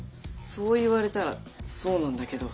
そう言われたらそうなんだけど。